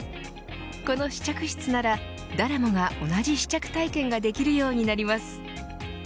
この試着室なら誰もが同じ試着体験ができるようになります。